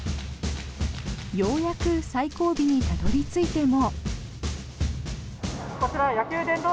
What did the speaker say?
ようやく最後尾にたどり着いても。